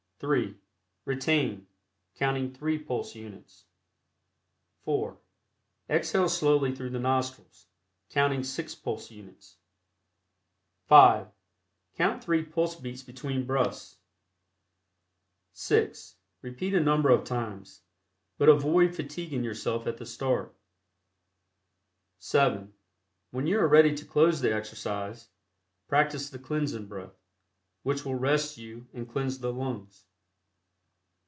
(3) Retain, counting three pulse units. (4) Exhale slowly through the nostrils, counting six pulse units. (5) Count three pulse beats between breaths. (6) Repeat a number of times, but avoid fatiguing yourself at the start. (7) When you are ready to close the exercise, practice the cleansing breath, which will rest you and cleanse the lungs.